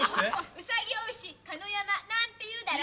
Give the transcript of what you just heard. うさぎ追いしかの山なんて言うだろ。